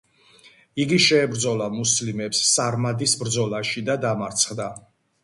იგი შეებრძოლა მუსლიმებს სარმადის ბრძოლაში და დამარცხდა.